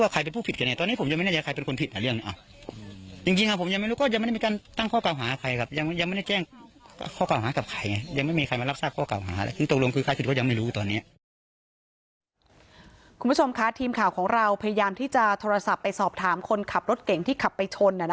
คุณผู้ชมคะทีมข่าวของเราพยายามที่จะโทรศัพท์ไปสอบถามคนขับรถเก่งที่ขับไปชน